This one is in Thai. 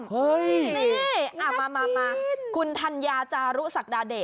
เฮ้ยนี่น่ากินมาคุณธัญญาจารุสักดาเดะ